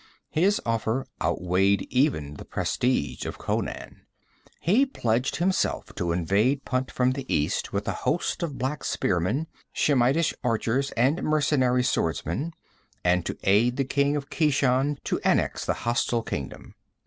His offer outweighed even the prestige of Conan. He pledged himself to invade Punt from the east with a host of black spearmen, Shemitish archers, and mercenary swordsmen, and to aid the king of Keshan to annex the hostile kingdom.